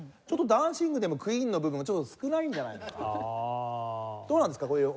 ちょっとダンシングでもクイーンの部分が少ないんじゃないのかなと。